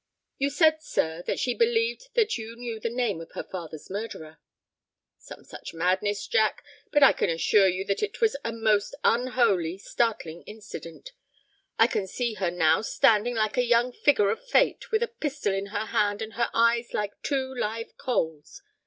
"You said, sir, that she believed that you knew the name of her father's murderer." "Some such madness, Jack. But I can assure you that it was a most unholy, startling incident. I can see her now standing like a young figure of Fate, with a pistol in her hand and her eyes like two live coals.